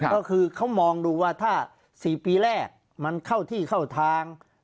ก็คือเขามองดูว่าถ้า๔ปีแรกมันเข้าที่เข้าทาง